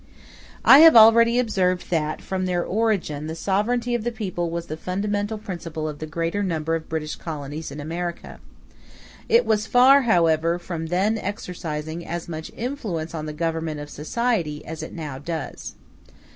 I have already observed that, from their origin, the sovereignty of the people was the fundamental principle of the greater number of British colonies in America. It was far, however, from then exercising as much influence on the government of society as it now does.